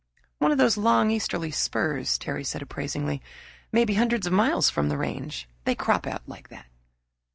"One of those long easterly spurs," Terry said appraisingly. "May be hundreds of miles from the range. They crop out like that."